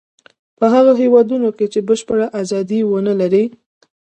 په هغو هېوادونو کې چې بشپړه ازادي و نه لري.